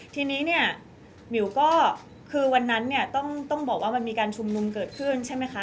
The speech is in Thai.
ทีนี้เนี่ยมิวก็คือวันนั้นเนี่ยต้องบอกว่ามันมีการชุมนุมเกิดขึ้นใช่ไหมคะ